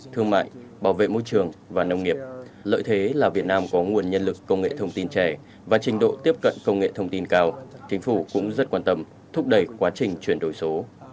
thương mại bảo vệ môi trường và nông nghiệp lợi thế là việt nam có nguồn nhân lực công nghệ thông tin trẻ và trình độ tiếp cận công nghệ thông tin cao chính phủ cũng rất quan tâm thúc đẩy quá trình chuyển đổi số